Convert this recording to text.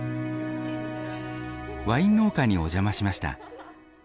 ワイン農家にお邪魔しました。